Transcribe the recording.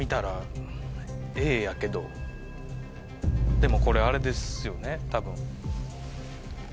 でもこれあれですよね多分。